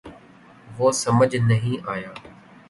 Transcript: وہ سمجھ نہیں آیا